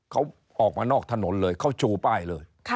เขาออกมานอกถนนเลยเขาชูป้ายเลย